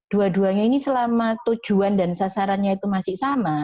dua duanya ini selama tujuan dan sasarannya itu masih sama